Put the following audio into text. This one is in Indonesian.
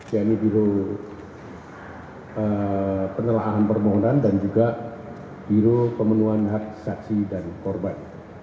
yaitu biro penelahan permohonan dan juga biro pemenuhan hak saksi dan korban